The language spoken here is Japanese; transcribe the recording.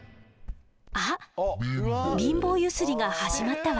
あっ貧乏ゆすりが始まったわ。